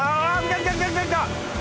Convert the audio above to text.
きたきたきたきた！